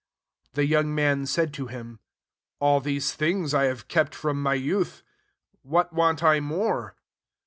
" 20 The young man said to him, << All these things I ha^e kept [from my youth] : what want I more?"